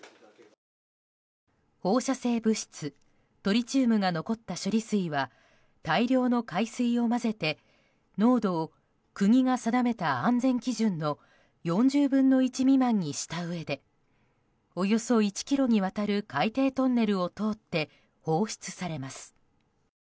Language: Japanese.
放射性物質トリチウムが残った処理水は大量の海水を混ぜて濃度を国が定めた安全基準の４０分の１未満にしたうえでおよそ１ｋｍにわたる海底トンネルを通って放出されます。